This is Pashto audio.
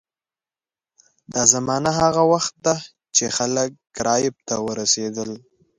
دا زمانه هغه وخت ده چې خلک کارایب ته ورسېدل.